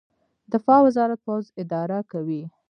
دفاع وزارت پوځ اداره کوي